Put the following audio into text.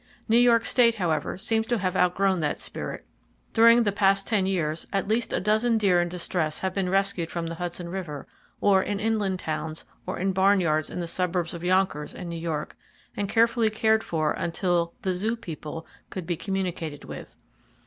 New York State, however, seems to have outgrown that spirit. During the past ten years, at least a dozen deer in distress have been rescued from the Hudson River, or in inland towns, or in barnyards in the suburbs of Yonkers and New York, and carefully cared for until "the zoo people" could be communicated with.